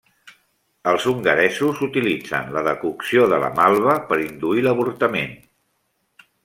Els hongaresos utilitzen la decocció de la malva per induir l'avortament.